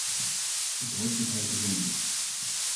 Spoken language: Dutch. Ik hoop dat hij gezond is.